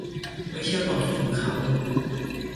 ไม่เชื่อความคิดของเขา